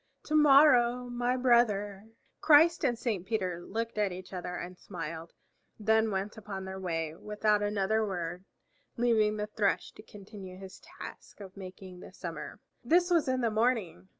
To morrow my brother." Christ and Saint Peter looked at each other and smiled, then went upon their way without another word, leaving the Thrush to continue his task of making the summer. This was in the morning.